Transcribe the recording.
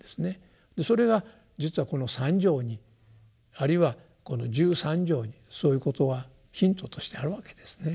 それが実はこの三条にあるいはこの十三条にそういうことはヒントとしてあるわけですね。